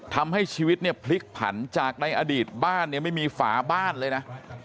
ทำให้ชีวิตเนี่ยพลิกผันจากในอดีตบ้านเนี่ยไม่มีฝาบ้านเลยนะ